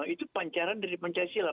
itu pancaran dari pancasila